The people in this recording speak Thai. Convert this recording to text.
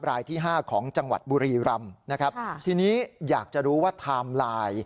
รายที่๕ของจังหวัดบุหรีรัมนะครับที่นี้อยากจะรู้ว่า